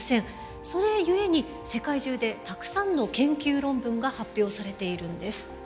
それゆえに世界中でたくさんの研究論文が発表されているんです。